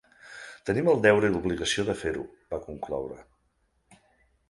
Tenim el deure i l’obligació de fer-ho, va concloure.